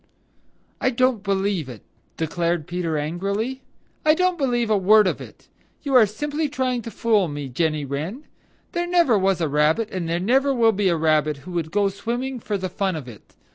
"I don't believe it!" declared Peter angrily. "I don't believe a word of it. You are simply trying to fool me, Jenny Wren. There never was a Rabbit and there never will be a Rabbit who would go swimming for the fun of it.